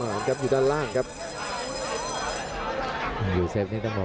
พยายามจะไถ่หน้านี่ครับการต้องเตือนเลยครับ